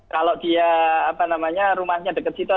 kalau dia rumahnya dekat situ